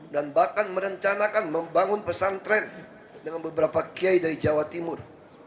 dan bahkan merencanakan membangun pesantren dengan beberapa kiai dari jawa timur